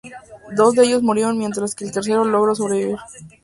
Dos de ellos murieron mientras que el tercero logró sobrevivir.